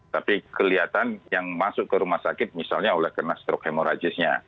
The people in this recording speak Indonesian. tapi kelihatan yang masuk ke rumah sakit misalnya oleh kena stroke hemoragisnya